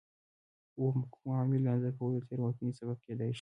اووم: کوم عوامل د اندازه کولو د تېروتنې سبب کېدای شي؟